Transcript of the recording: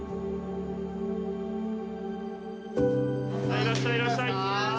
いらっしゃいいらっしゃい！